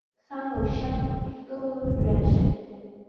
Сан лшьа шсылоу ҩашьом.